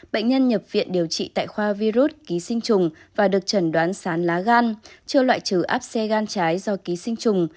bệnh nhân nhập viện điều trị tại khoa virus ký sinh trùng và được chẩn đoán sán lá gan chưa loại trừ áp xe gan trái do ký sinh trùng